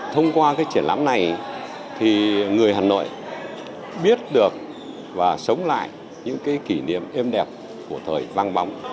thông qua cái triển lãm này thì người hà nội biết được và sống lại những kỷ niệm êm đẹp của thời vang bóng